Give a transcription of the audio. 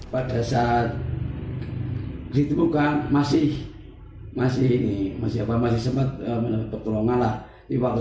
pada saat ditemukan masih masih ini masih apa masih sempat menentuk perolongan lah di waktu